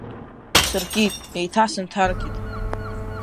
Сыркит, еиҭа сынҭаркит.